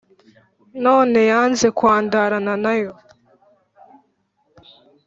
None yanze kwandarana nayo